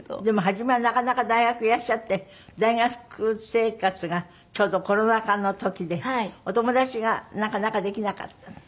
でも初めはなかなか大学いらっしゃって大学生活がちょうどコロナ禍の時でお友達がなかなかできなかった？